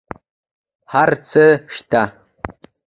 هر څه شته